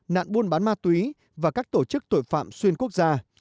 nạn buôn bán ma túy và các tổ chức tội phạm xuyên quốc gia